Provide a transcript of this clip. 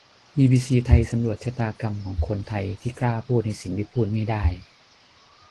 บีบีซีไทยสำรวจชะตากรรมของคนไทยที่กล้าพูดในสิ่งที่พูดไม่ได้